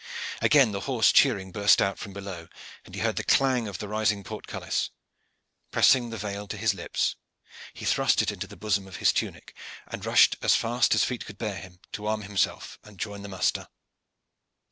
Again the hoarse cheering burst out from below, and he heard the clang of the rising portcullis. Pressing the veil to his lips, he thrust it into the bosom of his tunic, and rushed as fast as feet could bear him to arm himself and join the muster.